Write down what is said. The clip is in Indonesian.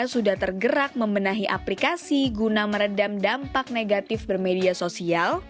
sudah tergerak membenahi aplikasi guna meredam dampak negatif bermedia sosial